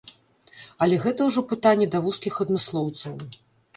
Але гэта ўжо пытанне да вузкіх адмыслоўцаў.